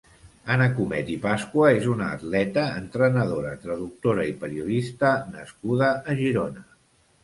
Anna Comet i Pascua és una atleta, entrenadora, traductora i periodista nascuda a Girona.